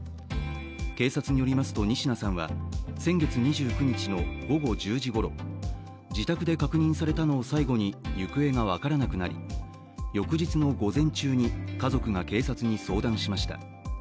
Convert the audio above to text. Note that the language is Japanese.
警察によりますと仁科さんは先月２９日の午後１０時ごろ、自宅で確認されたのを最後に行方が分からなくなり翌日の午前中に家族が警察に相談しました。